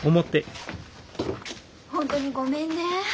本当にごめんね。